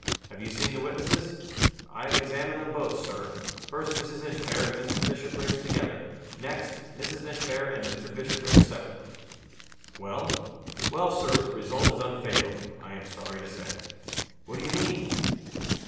"Have you seen the witnesses?" "I have examined them both, Sir. First, Mrs. Inchbare and Mr. Bishopriggs together. Next, Mrs. Inchbare and Mr. Bishopriggs separately." "Well?" "Well, Sir, the result is unfavorable, I am sorry to say." "What do you mean?"